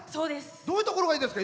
どういうところがいいですか？